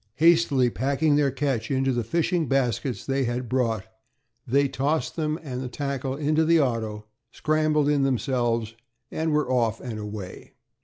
Hastily packing their catch in the fishing baskets they had brought, they tossed them and the tackle into the auto, scrambled in themselves, and were off and away.